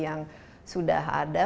yang sudah ada